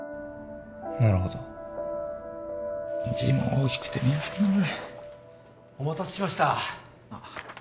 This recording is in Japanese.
なるほど字も大きくて見やすいなこれお待たせしました